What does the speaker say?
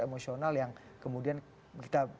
emosional yang kemudian kita